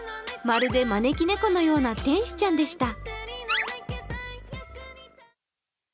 まるで招き猫のような天使ちゃんでした。